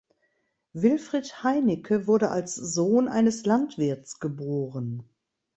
Wilfried Heinicke wurde als Sohn eines Landwirts geboren.